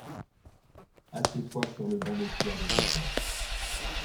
Assieds-toi sur le banc de pierre de ta porte